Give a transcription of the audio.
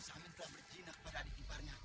si samir telah bergina dengan adik iparnya